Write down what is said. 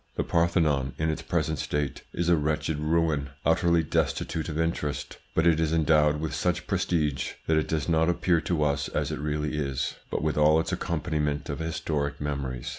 The Parthenon, in its present state, is a wretched ruin, utterly destitute of interest, but it is endowed with such prestige that it does not appear to us as it really is, but with all its accompaniment of historic memories.